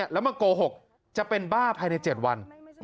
แล้วมาโกหกจะเป็นบ้าภายใน๗วัน